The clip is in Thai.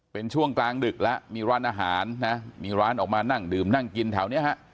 เป็นช่วงกลางดึกแล้วมีร้านอาหารนะมีร้านออกมานั่งดื่มนั่งกินแถวนี้ฮะ